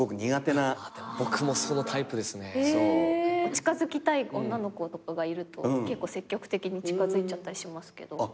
近づきたい女の子とかがいると結構積極的に近づいちゃったりしますけど。